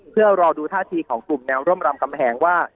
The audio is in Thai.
เพื่อรอดูท่าทีของกลุ่มแนวร่วมรำกำแหงว่า